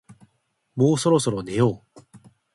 もうそろそろ寝よう